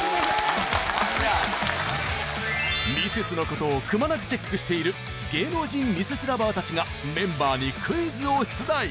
ミセスの事をくまなくチェックしている芸能人ミセス ＬＯＶＥＲ たちがメンバーにクイズを出題